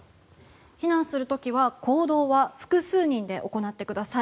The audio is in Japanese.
避難する時は行動は複数人で行ってください。